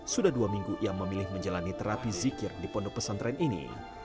sudah dua minggu ia memilih menjalani terapi zikir di pondok pesantren ini